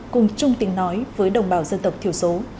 cùng chung tình nói với đồng bào dân tộc thiểu số